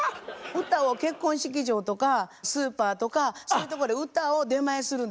歌を結婚式場とかスーパーとかそういうとこで歌を出前するんです。